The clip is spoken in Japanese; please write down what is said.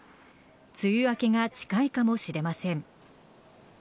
梅雨明けが近いかもしれません。